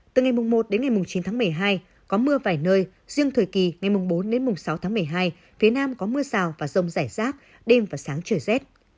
từ ngày một đến ngày chín tháng một mươi hai có mưa vài nơi riêng thời kỳ ngày bốn đến sáu tháng một mươi hai phía nam có mưa rào và rông rải rác đêm và sáng trời rét